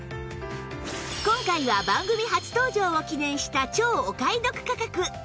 今回は番組初登場を記念した超お買い得価格